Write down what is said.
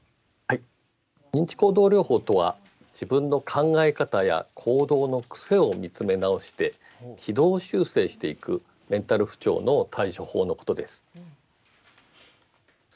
認知行動療法とは自分の考え方や行動の癖を見つめ直して軌道修正していくメンタル不調の対処法のことです。